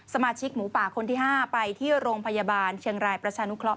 สมาชิกหมูป่าคนที่๕ไปที่โรงพยาบาลเชียงรายประชานุเคราะ